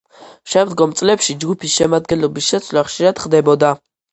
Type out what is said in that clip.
შემდგომ წლებში ჯგუფის შემადგენლობის შეცვლა ხშირად ხდებოდა.